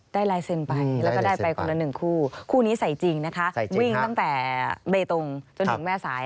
ลายเซ็นต์ไปแล้วก็ได้ไปคนละหนึ่งคู่คู่นี้ใส่จริงนะคะวิ่งตั้งแต่เบตงจนถึงแม่สาย